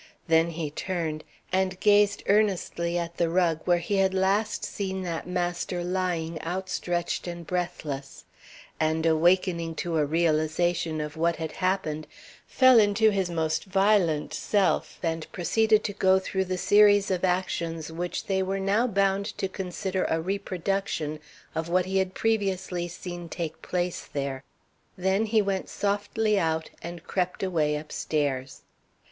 Then he turned, and gazed earnestly at the rug where he had last seen that master lying outstretched and breathless; and awakening to a realization of what had happened, fell into his most violent self and proceeded to go through the series of actions which they were now bound to consider a reproduction of what he had previously seen take place there. Then he went softly out, and crept away upstairs.